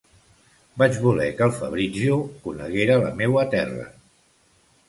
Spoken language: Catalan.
Vaig voler que el Fabrizio coneguera la meua terra.